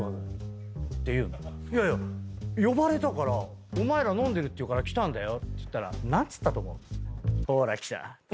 いやいや呼ばれたからお前ら飲んでるっていうから来たんだよって言ったら何っつったと思う？